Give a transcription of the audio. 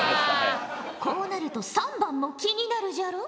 こうなると３番も気になるじゃろう？